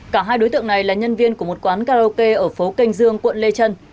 cả hai đối tượng này là nhân viên của một quán karaoke ở phố kênh dương quận lê trân